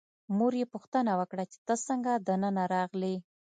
مور یې پوښتنه وکړه چې ته څنګه دننه راغلې.